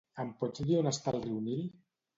Em pots dir on està el riu Nil?